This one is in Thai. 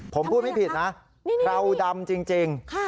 ผมพูดไม่ผิดนะเราดำจริง